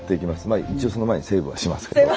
まあ一応その前にセーブはしますけど。